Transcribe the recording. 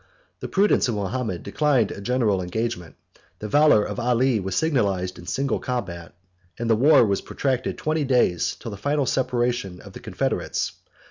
The prudence of Mahomet declined a general engagement: the valor of Ali was signalized in single combat; and the war was protracted twenty days, till the final separation of the confederates.